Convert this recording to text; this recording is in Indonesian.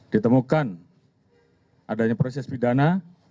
ditemukan adanya proses pidana